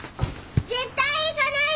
絶対行かない！